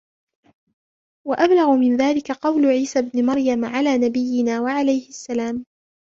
وَأَبْلَغُ مِنْ ذَلِكَ قَوْلُ عِيسَى ابْنِ مَرْيَمَ عَلَى نَبِيِّنَا وَعَلَيْهِ السَّلَامُ